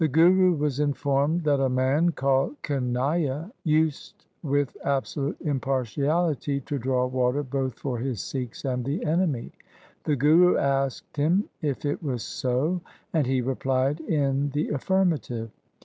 The Guru was informed that a man called Kanaiya used with absolute impartiality to draw water both 174 THE SIKH RELIGION for his Sikhs and the enemy. The Guru asked him if it was so, and he replied in the affirmative.